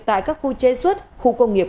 tại các khu chế xuất khu công nghiệp